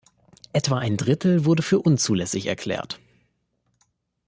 Etwa ein Drittel wurde für unzulässig erklärt.